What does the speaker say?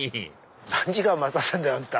何時間待たせんだよあんた。